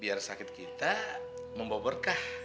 biar sakit kita membawa berkah